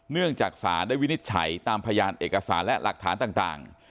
เนื่องจากสารได้วินิจฉัยตามพยานเอกสารและหลักฐานต่าง